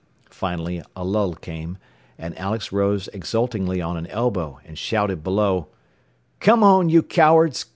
Finally a lull came, and Alex rose exultingly on an elbow and shouted below, "Come on, you cowards!